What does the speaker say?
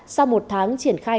sau một tháng triển khai